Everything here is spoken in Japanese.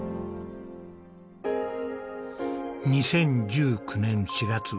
２０１９年４月。